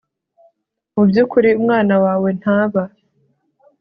Mu by ukuri umwana wawe ntaba